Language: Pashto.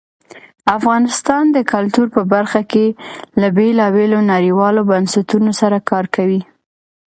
افغانستان د کلتور په برخه کې له بېلابېلو نړیوالو بنسټونو سره کار کوي.